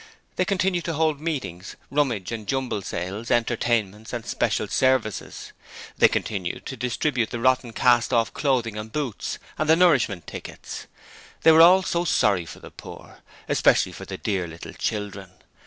They continued to hold meetings, rummage and jumble sales, entertainments and special services. They continued to distribute the rotten cast off clothing and boots, and the nourishment tickets. They were all so sorry for the poor, especially for the 'dear little children'.